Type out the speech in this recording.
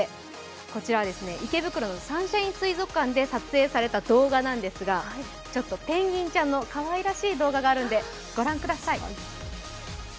こちらは池袋のサンシャイン水族館で撮影された動画なんですが、ちょっとペンギンちゃんのかわいらしい動画があるのでご覧ください。